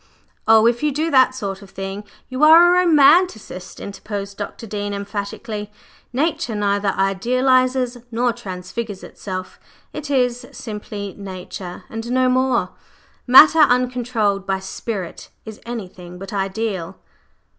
"Oh, if you do that sort of thing you are a romancist," interposed Dr. Dean emphatically. "Nature neither idealizes nor transfigures itself; it is simply Nature and no more. Matter uncontrolled by Spirit is anything but ideal."